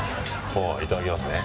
ああいただきますね。